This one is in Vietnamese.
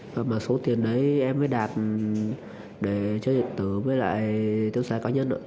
và số tiền đấy em mới đạt để chơi điện tử với lại chơi xài có nhất nữa